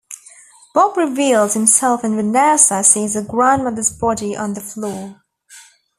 Bob reveals himself and Vanessa sees her grandmother's body on the floor.